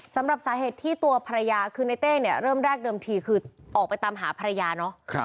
สำหรับสาเหตุที่ตัวภรรยาคือในเต้เนี่ยเริ่มแรกเดิมทีคือออกไปตามหาภรรยาเนาะ